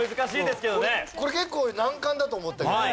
これ結構難関だと思ったけどね。